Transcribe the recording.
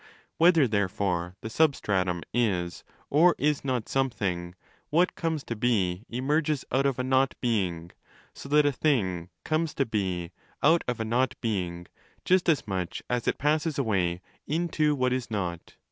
Whether, there fore, the substratum is or is not something, what comes to be emerges out of a 'not being':* so that a thing 'comes to be out of a not being' just as much as it ' passes away into what is not'.